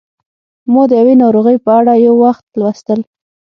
ما د یوې ناروغۍ په اړه یو وخت لوستل